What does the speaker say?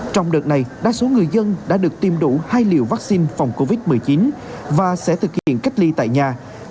trong đợt này đa số người dân đã được tiêm đủ hai liều vaccine phòng covid một mươi chín và sẽ thực hiện cách ly tại nhà